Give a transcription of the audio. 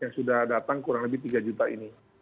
dan ini juga akan mendatang kurang lebih tiga juta ini